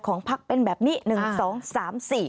ของภักดิ์เป็นแบบนี้